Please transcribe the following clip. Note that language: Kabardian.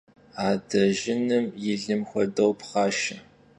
Adejjınem yi lım xuedeu pxhaşşe.